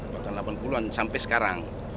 bahkan delapan puluh an sampai sekarang